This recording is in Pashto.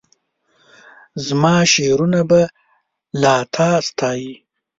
زماشعرونه به لا تا ستایي